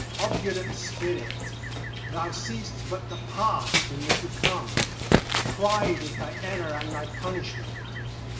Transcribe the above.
Obdurate spirit! Thou seest but the Past in the To come. Pride is thy error and thy punishment.